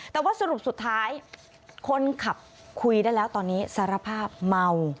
แต่ว่าสรุปสุดท้ายคนขับคุยได้แล้วตอนนี้สารภาพเมา